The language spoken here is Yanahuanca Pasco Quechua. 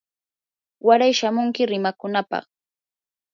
waray shamunki rimakunapaq.